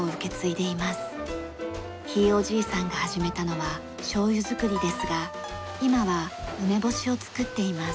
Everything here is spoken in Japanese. ひいおじいさんが始めたのはしょうゆづくりですが今は梅干しをつくっています。